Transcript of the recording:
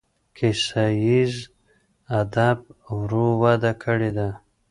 کیسه ییز ادب ورو وده کړې ده.